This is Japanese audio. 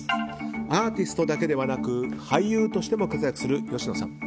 アーティストだけではなく俳優としても活躍する吉野さん。